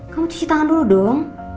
kamu cuci tangan dulu dong